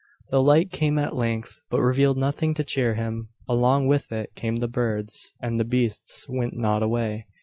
The light came at length, but revealed nothing to cheer him. Along with it came the birds, and the beasts went not away.